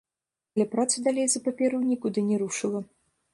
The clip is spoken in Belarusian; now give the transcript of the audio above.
Але праца далей за паперу нікуды не рушыла.